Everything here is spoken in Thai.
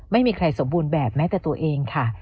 ไม่มีใครสมบูรณ์แบบแม้แต่ตัวเองค่ะ